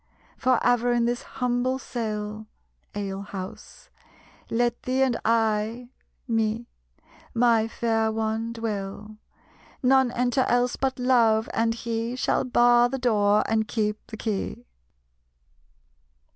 "For ever in this humble cell [ale house] Let thee and I [me], my fair one, dwell; None enter else but Love, and he Shall bar the door and keep the key."